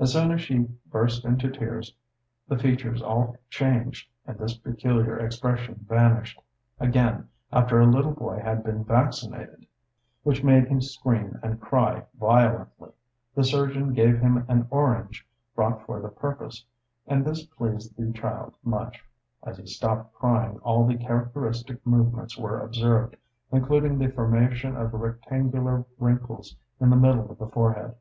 As soon as she burst into tears, the features all changed and this peculiar expression vanished. Again, after a little boy had been vaccinated, which made him scream and cry violently, the surgeon gave him an orange brought for the purpose, and this pleased the child much; as he stopped crying all the characteristic movements were observed, including the formation of rectangular wrinkles in the middle of the forehead.